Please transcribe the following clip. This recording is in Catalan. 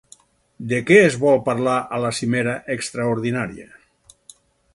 De què es vol parlar a la cimera extraordinària?